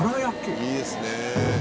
「いいですね」